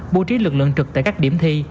bố trí lực lượng trực tại các điểm thi